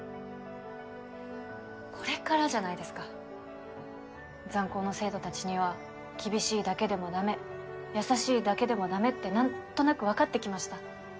これからじゃないですかザン高の生徒たちには厳しいだけでもダメ優しいだけでもダメって何となく分かってきました